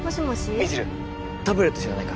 未知留タブレット知らないか？